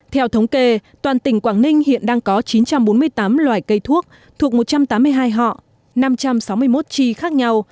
theo thống kê toàn tỉnh quảng ninh hiện đang có chín trăm bốn mươi tám loài cây thuốc thuộc một trăm tám mươi hai họ năm trăm sáu mươi một chi khác nhau